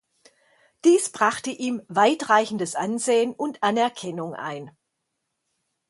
Dies brachte ihm weitreichendes Ansehen und Anerkennung ein.